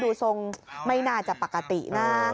ดูทรงไม่น่าจะปกตินะ